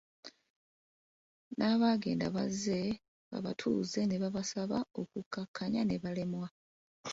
N'abenganda bazze babatuuza ne babasaba okukkaanya ne balemwa.